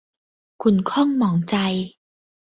ขุ่นข้องหมองใจ